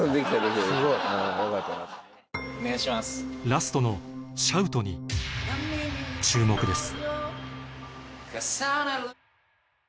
ラストのシャウトに注目です